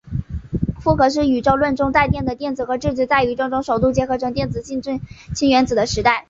复合是宇宙论中带电的电子和质子在宇宙中首度结合成电中性氢原子的时代。